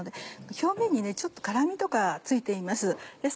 表面に辛みとか付いています。